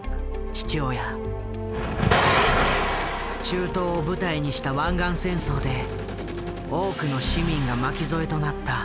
中東を舞台にした湾岸戦争で多くの市民が巻き添えとなった。